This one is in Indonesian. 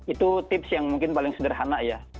itu tips yang mungkin paling sederhana ya